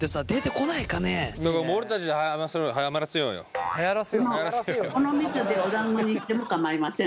この蜜でおだんごにしても構いません。